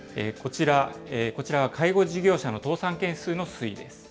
こちらは介護事業者の倒産件数の推移です。